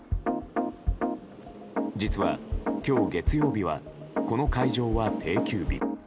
実は今日、月曜日はこの会場は定休日。